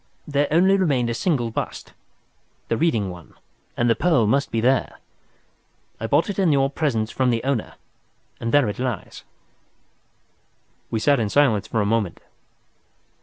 There only remained a single bust—the Reading one—and the pearl must be there. I bought it in your presence from the owner—and there it lies." We sat in silence for a moment.